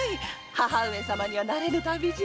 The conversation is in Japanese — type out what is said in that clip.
母上様には慣れぬ旅路。